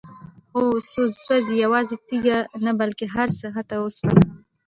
هو؛ سوزي، يوازي تيږي نه بلكي هرڅه، حتى اوسپنه هم